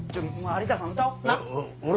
有田さん歌お。